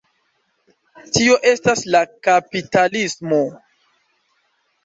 Tio estas la kapitalismo.